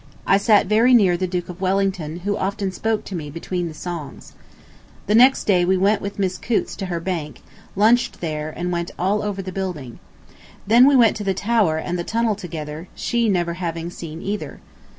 I sat very near the Duke of Wellington, who often spoke to me between the songs. ... The next day we went with Miss Coutts to her bank, lunched there, and went all over the building. Then we went to the Tower and the Tunnel together, she never having seen either.